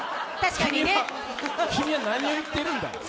君は何を言ってる？